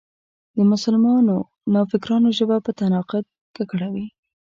د مسلمانو نوفکرانو ژبه په تناقض ککړه وي.